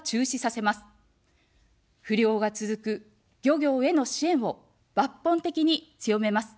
不漁が続く漁業への支援を抜本的に強めます。